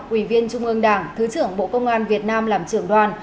ủy viên trung ương đảng thứ trưởng bộ công an việt nam làm trưởng đoàn